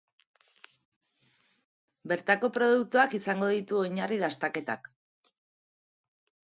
Bertako produktuak izango ditu oinarri dastaketak.